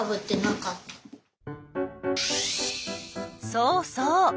そうそう。